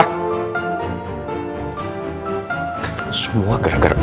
putri itu kayak gini gara gara siapa